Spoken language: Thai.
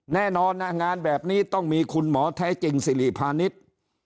แน่นอนงานแบบนี้ต้องมีคุณหมอแท้จริงสิริพาณิชย์